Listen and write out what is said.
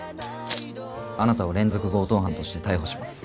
あなたを連続強盗犯として逮捕します。